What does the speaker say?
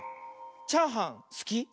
チャーハンすき？